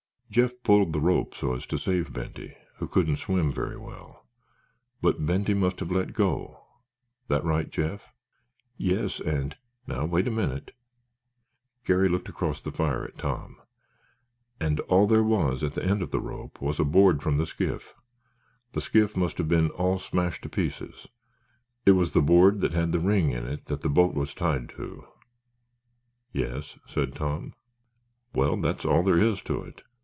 "Jeff pulled the rope so as to save Benty, who couldn't swim very well. But Benty must have let go. That right, Jeff?" "Yes, and—" "Now wait a minute." Garry looked across the fire at Tom. "And all there was at the end of the rope was a board from the skiff. The skiff must have been all smashed to pieces. It was the board that had the ring in it that the boat was tied to——" "Yes?" said Tom. "Well, that's all there is to it.